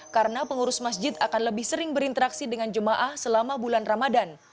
karena pengurus masjid akan lebih sering berinteraksi dengan jemaah selama bulan ramadan